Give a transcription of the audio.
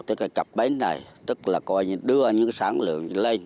tức là chập bến này tức là coi như đưa những sản lượng lên